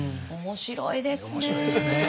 面白いですね。